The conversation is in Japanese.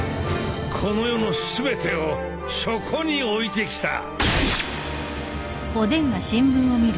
この世の全てをそこに置いてきた！